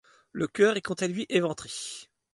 Le chœur est quant à lui éventré.